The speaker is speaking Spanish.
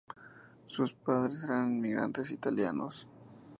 Sus padres eran inmigrantes italianos.